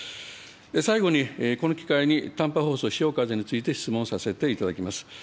最後に、この機会に、短波放送しおかぜについて質問させていただきます。